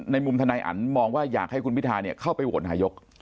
มุมทนายอันมองว่าอยากให้คุณพิทาเข้าไปโหวตนายก